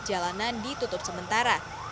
jalanan ditutup sementara